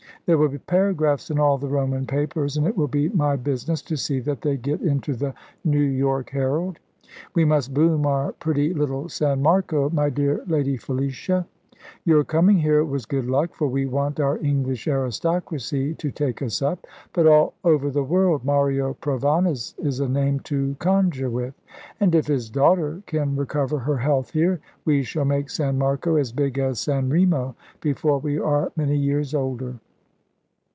"There will be paragraphs in all the Roman papers, and it will be my business to see that they get into the New York Herald. We must boom our pretty little San Marco, my dear Lady Felicia. Your coming here was good luck, for we want our English aristocracy to take us up but all over the world Mario Provana's is a name to conjure with; and if his daughter can recover her health here, we shall make San Marco as big as San Remo before we are many years older.